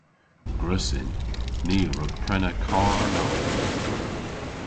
Gwrussyn. Ni a wrug prena karr nowydh.